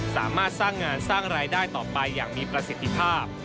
สามารถสร้างงานสร้างรายได้ต่อไปอย่างมีประสิทธิภาพ